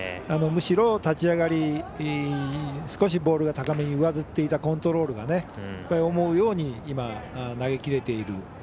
むしろ、立ち上がり少しボールが高めに上ずっていたコントロールが思うように、投げきれている。